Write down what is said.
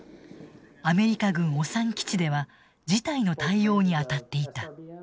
アメリカ軍烏山基地では事態の対応に当たっていた。